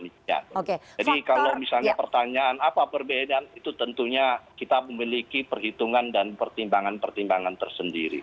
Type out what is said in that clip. jadi kalau misalnya pertanyaan apa perbedaan itu tentunya kita memiliki perhitungan dan pertimbangan pertimbangan tersendiri